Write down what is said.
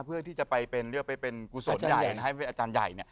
เพื่อที่จะไปเลือกไปเป็นกุศลใหญ่ให้อาจารย์ใหญ่